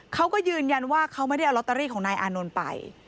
เขาก็ยืนยันว่าเขาไม่ได้เอาลอตเตอรี่ของนายอานนท์ไป